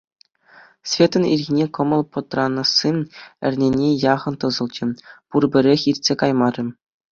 Светӑн ирхине кӑмӑл пӑтранасси эрнене яхӑн тӑсӑлчӗ, пурпӗрех иртсе каймарӗ.